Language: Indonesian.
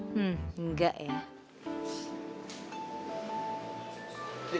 hmm enggak ya